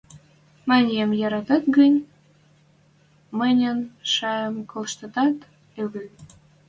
— Мӹньӹм яратет гӹнь, мӹньӹн шаяэм колыштат ыльы.